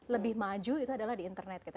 lebih maju itu adalah di internet kita